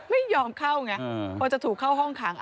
ไม่ยอมเข้าไงพอจะถูกเข้าห้องขัง